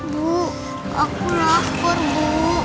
bu aku lapar bu